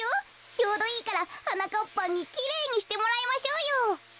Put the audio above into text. ちょうどいいからはなかっぱんにきれいにしてもらいましょうよ。